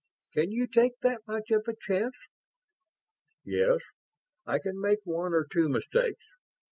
Can you take that much of a chance?" "Yes. I can make one or two mistakes.